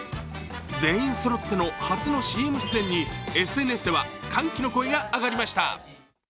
全員そろっての初のＣＭ出演にＳＮＳでは歓喜の声が上がりました。